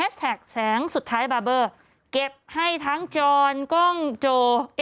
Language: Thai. แสงสุดท้ายบาร์เบอร์เก็บให้ทั้งจรกล้องโจ